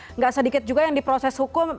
tidak sedikit juga yang diproses hukum